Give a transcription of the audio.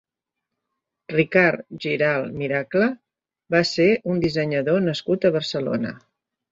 Ricard Giralt Miracle va ser un dissenyador nascut a Barcelona.